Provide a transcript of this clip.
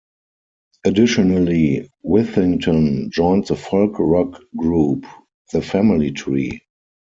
Additionally, Whittington joined the folk rock group, the Family Tree.